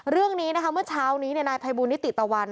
เรื่องนี้นะคะเมื่อเช้านี้นายภัยบูลนิติตะวัน